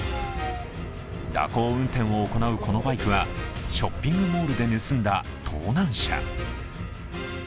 蛇行運転を行うこのバイクはショッピングモールで盗んだ盗難車。